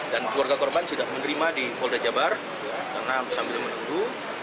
dan keluarga korban sudah menerima di polda jawa barat karena sambil menunggu